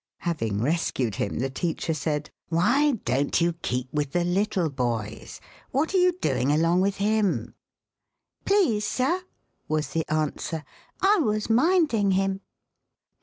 Having rescued him, the teacher said: "Why don't you keep with the little boys? What are you doing along with him?" "Please, sir," was the answer, "I was minding him."